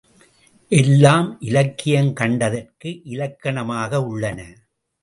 எல்லாம் இலக்கியம் கண்டதற்கு இலக்கணமாக உள்ளன.